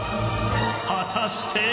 ［果たして？］